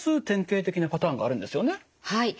典型的なパターンがあるんですよね？